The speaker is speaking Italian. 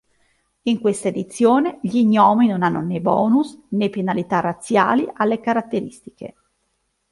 In questa edizione, gli gnomi non hanno né bonus, né penalità razziali alle caratteristiche.